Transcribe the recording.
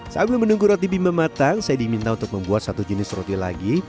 saat gue menunggu roti bimbam matang saya diminta untuk membuat satu jenis roti lagi